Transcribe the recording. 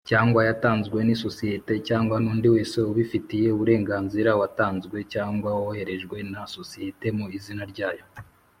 cyangwa yatanzwe n isosiyete cyangwa nundi wese ubifitiye uburenganzira watanzwe cyangwa woherejwe na sosiyete mu izina ryayo.